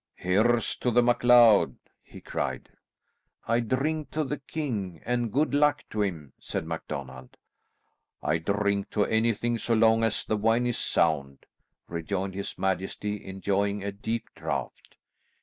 "Here's to the MacLeod!" he cried. "I drink to the king, and good luck to him!" said MacDonald. "I drink to anything, so long as the wine is sound," rejoined his majesty, enjoying a deep draught.